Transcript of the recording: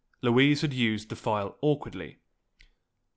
Louise had used the file awkwardly.